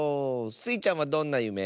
スイちゃんはどんなゆめ？